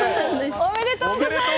おめでとうございます。